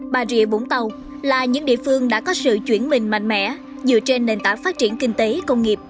bà rịa vũng tàu là những địa phương đã có sự chuyển mình mạnh mẽ dựa trên nền tảng phát triển kinh tế công nghiệp